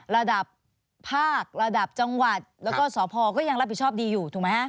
ระดับภาคระดับจังหวัดแล้วก็สพก็ยังรับผิดชอบดีอยู่ถูกไหมฮะ